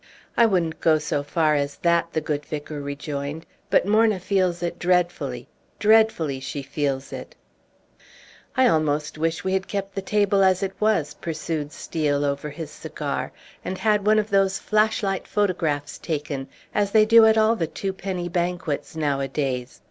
"I wouldn't go so far as that," the good vicar rejoined. "But Morna feels it dreadfully. Dreadfully she feels it!" "I almost wish we had kept the table as it was," pursued Steel over his cigar, "and had one of those flash light photographs taken, as they do at all the twopenny banquets nowadays.